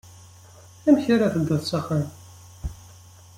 Amek ara tedduḍ s axxam?